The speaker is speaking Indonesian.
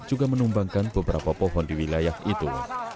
juga menumbangkan beberapa pohon di wilayah itu